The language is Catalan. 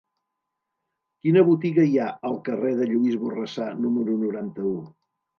Quina botiga hi ha al carrer de Lluís Borrassà número noranta-u?